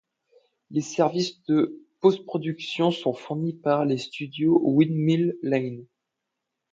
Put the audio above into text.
Les services de postproduction sont fournis par les studios Windmill Lane.